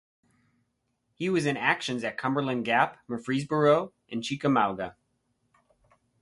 He was in actions at Cumberland Gap, Murfreesboro, and Chickamauga.